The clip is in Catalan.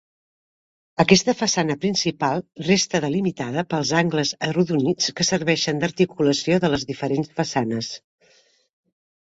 Aquesta façana principal resta delimitada pels angles arrodonits que serveixen d'articulació de les diferents façanes.